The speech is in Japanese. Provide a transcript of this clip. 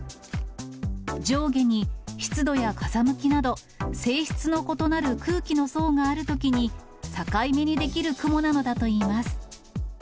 上下に湿度や風向きなど、性質の異なる空気の層があるときに、境目に出来る雲なのだといいます。